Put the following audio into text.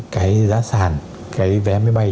cái giá sàn cái vé máy bay